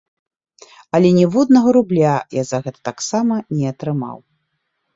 Але ніводнага рубля я за гэта таксама не атрымаў.